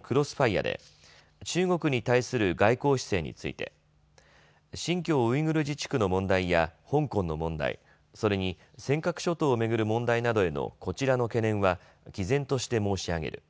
クロスファイアで中国に対する外交姿勢について新疆ウイグル自治区の問題や香港の問題、それに尖閣諸島を巡る問題などへのこちらの懸念はきぜんとして申し上げる。